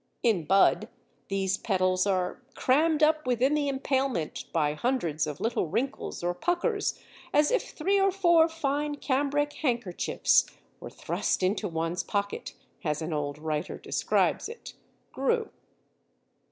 In bud these petals are "cramb'd up within the empalement by hundreds of little wrinkles or puckers as if three or four fine cambrick handkerchifs were thrust into one's pocket," as an old writer describes it (Grew).